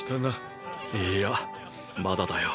いいやまだだよ。